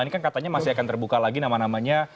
ini kan katanya masih akan terbuka lagi nama namanya